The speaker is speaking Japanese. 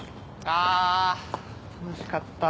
あぁ楽しかった。